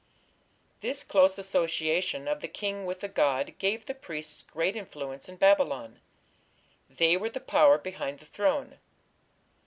This close association of the king with the god gave the priests great influence in Babylon. They were the power behind the throne.